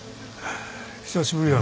久しぶりやな。